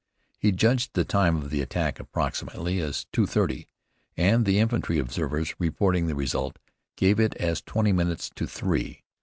He judged the time of the attack, approximately, as two thirty, and the infantry observers, reporting the result, gave it as twenty minutes to three.